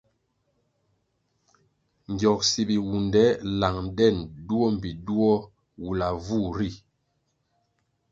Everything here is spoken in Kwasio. Ngyogsi biwunde lang den duo mbpi duo wulavu ri.